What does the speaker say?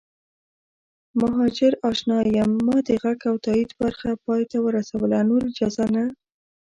مهاجراشنا یم ما د غږ او تایید برخه پای ته ورسوله نور اجازه نه